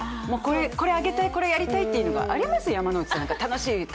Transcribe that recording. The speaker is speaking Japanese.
これ上げたい、やりたいというのがあります、山内さん？